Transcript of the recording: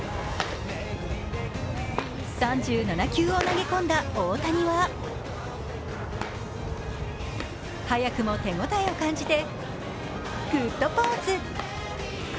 ３７球を投げ込んだ大谷は早くも手応えを感じてグッドポーズ。